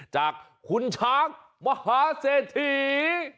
จากคุณช้างมหาเศรษฐี